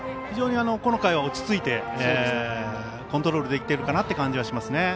非常にこの回は落ち着いてコントロールできている感じがしますね。